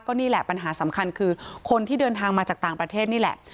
นี่แหละปัญหาสำคัญคือคนที่เดินทางมาจากต่างประเทศนี่แหละ